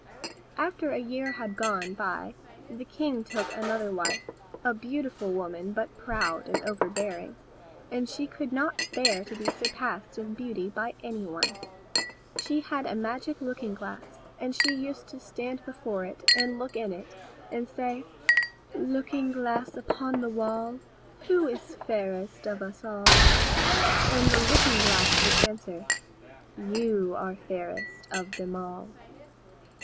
After a year had gone by the king took another wife, a beautiful woman, but proud and overbearing, and she could not bear to be surpassed in beauty by any one. She had a magic looking glass, and she used to stand before it, and look in it, and say, "Looking glass upon the wall, Who is fairest of us all?" And the looking glass would answer, "You are fairest of them all."